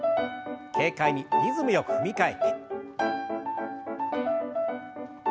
軽快にリズムよく踏み替えて。